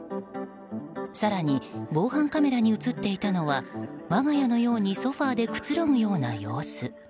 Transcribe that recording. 更に防犯カメラに映っていたのは我が家のようにソファでくつろぐような様子。